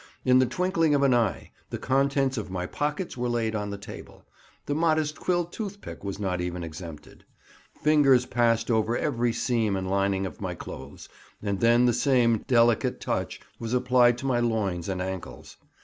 In the twinkling of an eye, the contents of my pockets were laid on the table—the modest quill toothpick was not even exempted; fingers passed over every seam and lining of my clothes, and then the same "delicate touch" was applied to my loins and ankles.